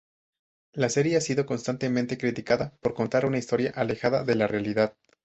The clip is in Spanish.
La serie ha sido constantemente criticada por contar una historia alejada de la realidad.